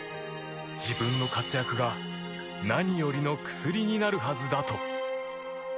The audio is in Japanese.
自分の活躍が何よりの薬になるはずだと。